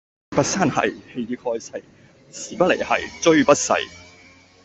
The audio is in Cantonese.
力拔山兮氣蓋世，時不利兮騅不逝